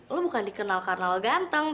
lu bukan dikenal karena lu ganteng